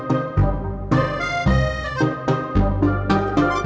jangan berisik harus mindik mindik